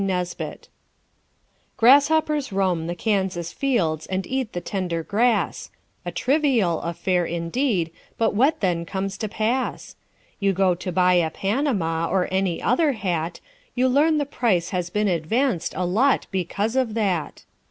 NESBIT Grasshoppers roam the Kansas fields and eat the tender grass A trivial affair, indeed, but what then comes to pass? You go to buy a panama, or any other hat; You learn the price has been advanced a lot because of that.